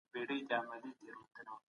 هغه عايد چی د خلګو وي بايد وساتل سي.